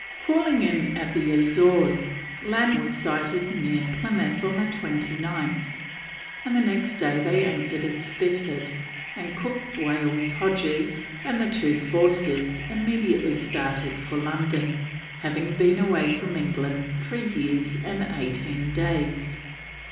Calling in at the Azores, land was sighted near Plymouth on the 29th, and next day they anchored at Spithead; and Cook, Wales, Hodges, and the two Forsters immediately started for London, having been away from England three years and eighteen days.